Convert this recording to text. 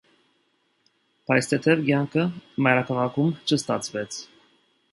Բայց թեթև կյանքը մայրաքաղաքում չստացվեց։